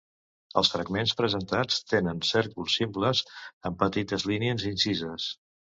Els fragments presentats tenen cèrcols simples amb petites línies incises.